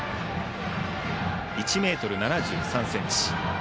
１ｍ７３ｃｍ。